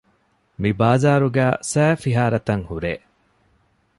މިބާޒާރުގައި ސައިފިހާރަތައް ހުރޭ